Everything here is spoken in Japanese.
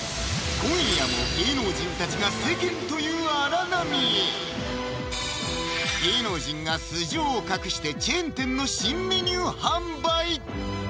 今夜も芸能人たちが芸能人が素性を隠してチェーン店の新メニュー販売